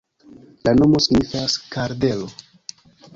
La nomo signifas: kardelo.